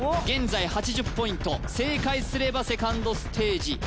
現在８０ポイント正解すればセカンドステージ